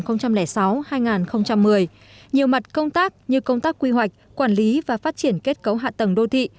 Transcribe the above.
nhiều mặt công tác như công tác quy hoạch quản lý và phát triển kết cấu hạ tầng đô thị